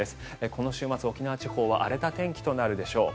この週末、沖縄地方は荒れた天気となるでしょう。